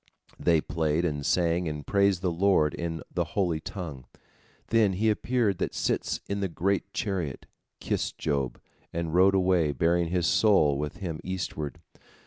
They played and sang and praised the Lord in the holy tongue. Then he appeared that sits in the great chariot, kissed Job, and rode away bearing his soul with him eastward.